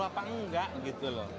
apakah ini perlu